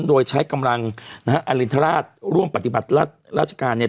โดยใช้กำลังนะฮะอรินทราชร่วมปฏิบัติราชการเนี่ย